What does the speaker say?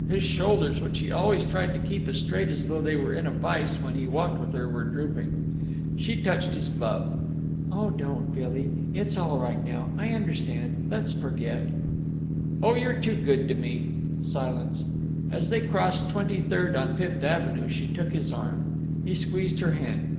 His shoulders, which he always tried to keep as straight as though they were in a vise when he walked with her, were drooping. She touched his glove. "Oh don't, Billy; it's all right now. I understand. Let's forget—" "Oh, you're too good to me!" Silence. As they crossed Twenty third on Fifth Avenue she took his arm. He squeezed her hand.